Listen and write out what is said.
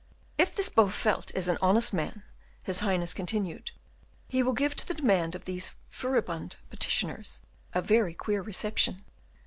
"If this Bowelt is an honest man," his Highness continued, "he will give to the demand of these furibund petitioners a very queer reception."